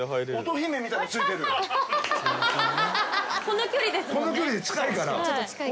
この距離で近いから。